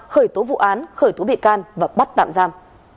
khởi tố vụ án khởi tố bị can và bắt tạm giam